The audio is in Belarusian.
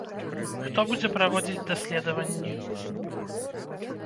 Хто будзе праводзіць даследаванні?